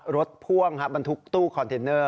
พ่วงบรรทุกตู้คอนเทนเนอร์